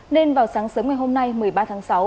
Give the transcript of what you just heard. nên vào sáng sớm ngày hôm nay một mươi ba tháng sáu